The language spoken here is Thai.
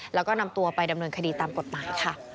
แล้วก็นำตัวไปดำเนินคดีตามกฎหมายค่ะ